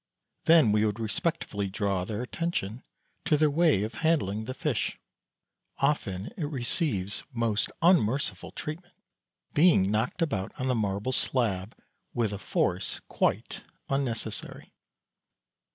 Then we would respectfully draw their attention to their way of handling the fish. Often it receives most unmerciful treatment, being knocked about on the marble slab with a force quite unnecessary.